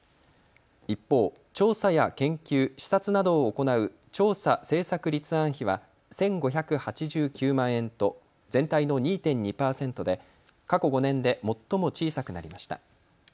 一方、調査や研究、視察などを行う調査・政策立案費は１５８９万円と全体の２．２％で過去５年で最も小さくなりました。